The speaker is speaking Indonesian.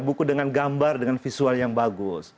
buku dengan gambar dengan visual yang bagus